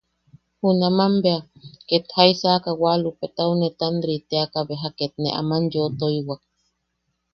Junaman bea, ket jaisaka Walupetau netanri teaka beja ket ne aman yeu tojiwak.